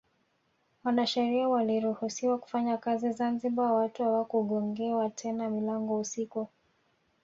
Wanasheria waliruhusiwa kufanya kazi Zanzibar watu hawakugongewa tena milango usiku